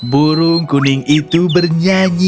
burung kuning itu bernyanyi